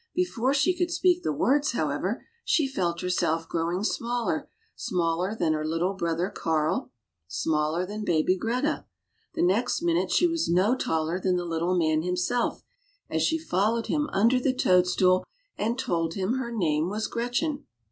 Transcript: Before she could speak the words, how ever, she felt herself growing smaller — smaller than little brother Karl, smaller than baby Greta. The next minute she was no taller than the Little Man himself, as she followed him under the toadstool and told him her name was Gretchen.